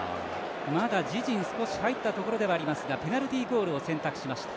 まだ自陣少し入ったところではありますがペナルティゴールを選択しました。